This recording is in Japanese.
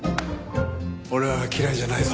俺は嫌いじゃないぞ。